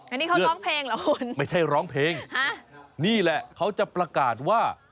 อันนี้เขาร้องเพลงเหรอคุณไม่ใช่ร้องเพลงฮะนี่แหละเขาจะประกาศว่า